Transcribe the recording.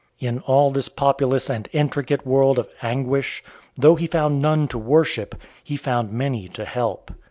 In all this populous and intricate world of anguish, though he found none to worship, he found many to help.